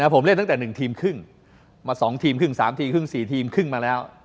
ผมเล่นตั้งแต่๑ทีมครึ่งมา๒ทีมครึ่ง๓ทีมครึ่ง๔ทีมครึ่งมาแล้ว